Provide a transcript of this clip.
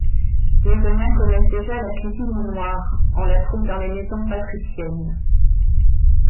Les Romains connaissent déjà la cuisine noire, on la trouve dans les maisons patriciennes.